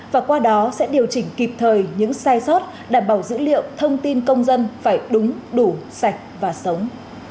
và qua đó sẽ điều chỉnh kịp thời những sai sót đảm bảo dữ liệu thông tin công dân phải đúng đủ sạch và sống